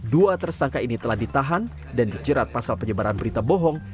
dua tersangka ini telah ditahan dan dijerat pasal penyebaran berita bohong